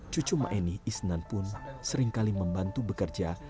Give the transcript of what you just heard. cucu maeni isnan pun seringkali membantu bekerja